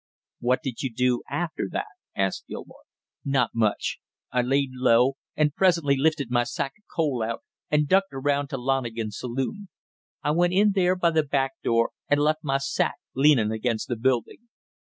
"What did you do after that?" asked Gilmore. "Not much. I laid low and presently lifted my sack of coal out and ducked around to Lonigan's saloon. I went in there by the back door and left my sack leanin' against the building.